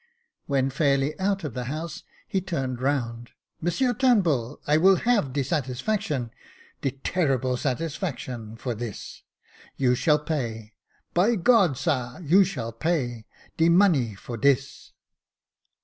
When fairly out ot the house, he turned round, " Monsieur Turnbull, I will have de satisfaction, de terrible satisfaction, for this. You shall pay. By God, sar, you shall pay, — de money for this."